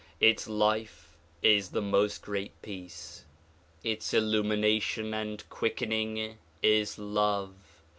Its life is the "Most Great Peace." Its illumination and quickening is love.